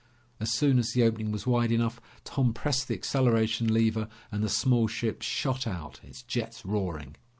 As soon as the opening was wide enough, Tom pressed the acceleration lever and the small ship shot out, its jets roaring.